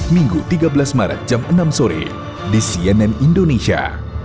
minggu tiga belas maret jam enam sore di cnn indonesia